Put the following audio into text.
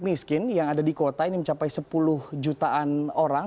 miskin yang ada di kota ini mencapai sepuluh jutaan orang